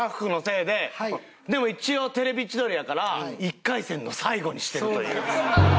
でも一応『テレビ千鳥』やから１回戦の最後にしてるという。